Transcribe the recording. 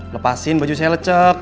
lepasin baju saya lecek